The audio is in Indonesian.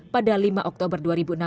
pada lima oktober dua ribu enam belas